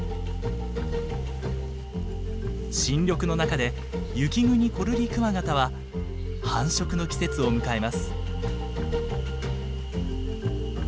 新緑の中でユキグニコルリクワガタは繁殖の季節を迎えます。